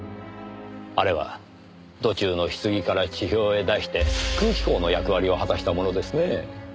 あれは土中の棺から地表へ出して空気孔の役割を果たしたものですねぇ。